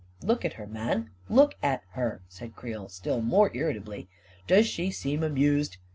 "Look at her, man; look at her! " said Creel, still more irritably. u Does she seem amused